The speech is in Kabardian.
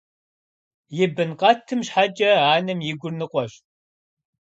И бын къэтым щхьэкӀэ анэм и гур ныкъуэщ.